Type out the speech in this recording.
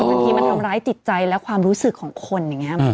บางทีมันทำร้ายจิตใจและความรู้สึกของคนอย่างนี้